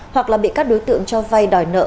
hoặc là bị các đối tượng cho vay đòi nợ